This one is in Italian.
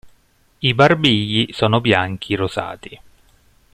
I barbigli sono bianchi-rosati.